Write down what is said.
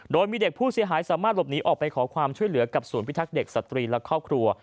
โดยมีเด็กผู้เสียหายสามารถหลบหนีออกไปขอความช่วยเหลือกับศูนย์พิทักษ์เด็กสตรีและครอบครัว